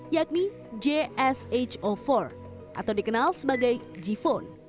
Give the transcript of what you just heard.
yakni jsh empat atau dikenal sebagai g phone